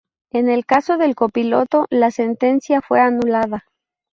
En el caso del copiloto la sentencia fue anulada.